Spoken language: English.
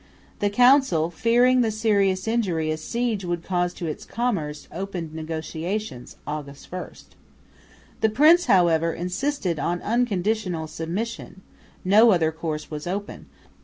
The council, fearing the serious injury a siege would cause to its commerce, opened negotiations (August 1). The prince, however, insisting on unconditional submission, no other course was open.